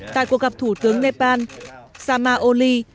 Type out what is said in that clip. tại cuộc gặp thủ tướng nepal sama oli